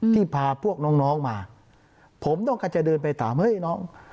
ที่พาพวกน้องมาผมต้องการจะเดินไปถามเฮ้ยน้อง